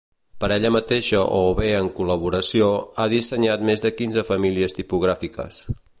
Per ella mateixa o bé en col·laboració, ha dissenyat més de quinze famílies tipogràfiques.